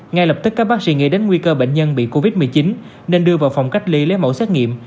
ngay lập tức các bác sĩ nghĩ đến nguy cơ bệnh nhân bị covid một mươi chín nên đưa vào phòng cách ly lấy mẫu xét nghiệm